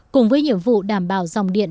cùng với nhiệm vụ đảm bảo dòng điện